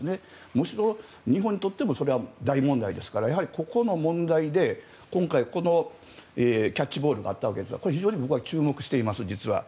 むしろ、日本にとっても大問題ですからここの問題で今回、キャッチボールがあったわけですがこれは非常に僕は注目しています、実は。